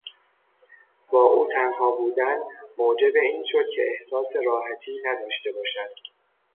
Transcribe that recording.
با او تنها بودن موجب این شد که احساس راحتی نداشته باشد.